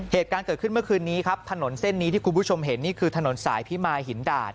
เหตุการณ์เกิดขึ้นเมื่อคืนนี้ครับถนนเส้นนี้ที่คุณผู้ชมเห็นนี่คือถนนสายพิมายหินดาด